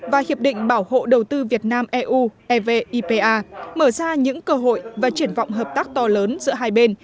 và hiệp định bảo hộ đầu tư việt nam eu evipa mở ra những cơ hội và triển vọng hợp tác to lớn giữa hai bên